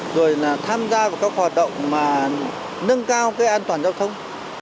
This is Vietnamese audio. rồi là tham gia vào các hoạt động mà nâng cao cái an toàn giao thông